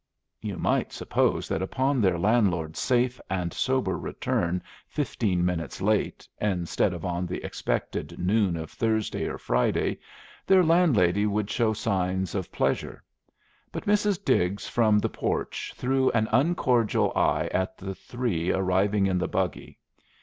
You might suppose that upon their landlord's safe and sober return fifteen minutes late, instead of on the expected noon of Thursday or Friday, their landlady would show signs of pleasure; but Mrs. Diggs from the porch threw an uncordial eye at the three arriving in the buggy.